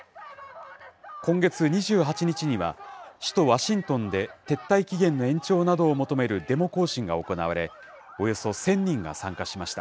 今月２８日には首都ワシントンで撤退期限の延長などを求めるデモ行進が行われ、およそ１０００人が参加しました。